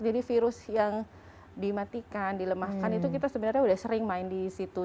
jadi virus yang dimatikan dilemahkan itu kita sebenarnya sudah sering main di situ